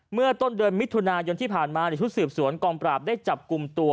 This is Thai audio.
เมื่อต้นเดือนมิถุนายนที่ผ่านมาในชุดสืบสวนกองปราบได้จับกลุ่มตัว